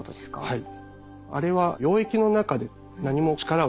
はい。